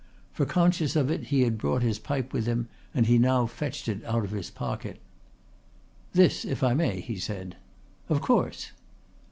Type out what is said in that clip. For conscious of it he had brought his pipe with him, and he now fetched it out of his pocket. "This, if I may," he said. "Of course."